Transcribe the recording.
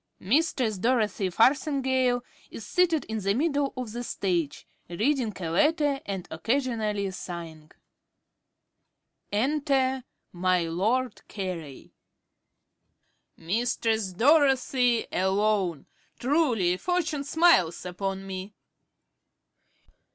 _ Mistress Dorothy Farthingale is seated in the middle of the stage, reading a letter and occasionally sighing. Enter My Lord Carey. ~Carey.~ Mistress Dorothy alone! Truly Fortune smiles upon me.